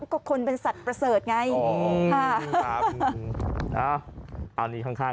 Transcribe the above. อ๋อก็คนเป็นสัตว์ประเสริฐไงอ๋ออ๋ออ๋อนี่ข้าง